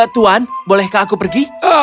tuhan bolehkah aku pergi